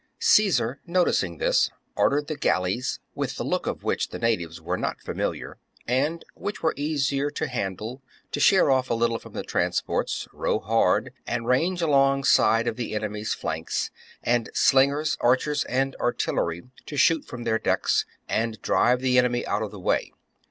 25. Caesar, noticing this, ordered the galleys, with the look of which the natives were not familiar, and which were easier to handle, to sheer off a little from the transports, row hard and range alongside of the enemy's flank, and slingers, archers, and artillery to shoot from their decks and drive the enemy out of the way.